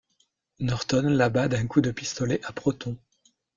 Norton l'abat d'un coup de pistolet à protons.